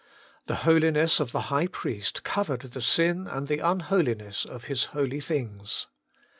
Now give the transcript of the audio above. The holiness of the high priest covered the sin and the unholiness of his holy things.